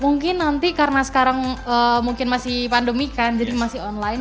mungkin nanti karena sekarang mungkin masih pandemi kan jadi masih online